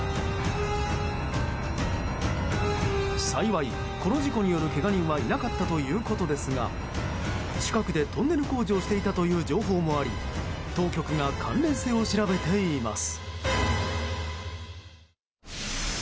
幸い、この事故によるけが人はいなかったということですが近くでトンネル工事をしていたという情報もあり当局が関連性を調べています。